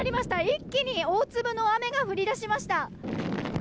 一気に大粒の雨が降り出しました。